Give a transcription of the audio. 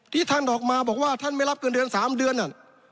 ท่านออกมาบอกว่าท่านไม่รับเงินเดือน๓เดือนนั่น